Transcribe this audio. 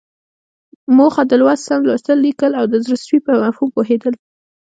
موخه: د لوست سم لوستل، ليکل او د زړه سوي په مفهوم پوهېدل.